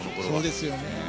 そうですよね。